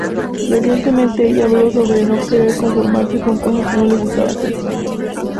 Recientemente ella habló sobre no querer conformarse con cosas que no le gustaba hacer.